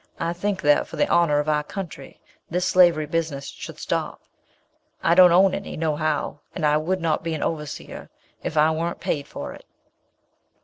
I think that, for the honour of our country, this slavery business should stop. I don't own any, no how, and I would not be an overseer if I wern't paid for it."